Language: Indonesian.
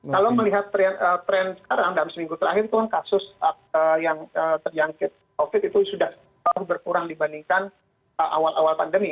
kalau melihat tren sekarang dalam seminggu terakhir itu kan kasus yang terjangkit covid itu sudah berkurang dibandingkan awal awal pandemi